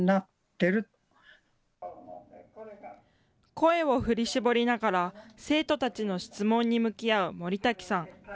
声を振り絞りながら、生徒たちの質問に向き合う森瀧さん。